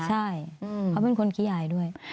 ใช่เขาเป็นคนขี้อายด้วย